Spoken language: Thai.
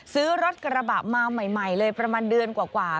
ซื้อรถกระบะมาใหม่เลยประมาณเดือนกว่า